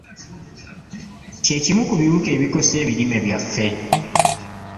Kye kimu ku biwuka ebikosa ebirime byaffe.